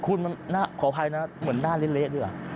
คุณมันขออภัยนะเหมือนหน้าเละดีกว่า